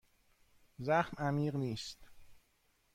زخم عمیق نیست.